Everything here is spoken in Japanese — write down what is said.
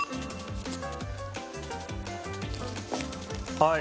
はい。